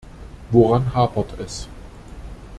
Woran hapert es?